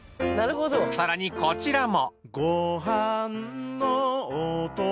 さらにこちらも。